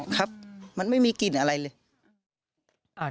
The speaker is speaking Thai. ครับมันไม่มีกลิ่นอะไรเลย